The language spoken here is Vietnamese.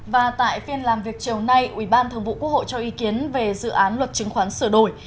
và tại phiên làm việc chiều nay ủy ban thường vụ quốc hội cho ý kiến về dự án luật chứng khoán sửa đổi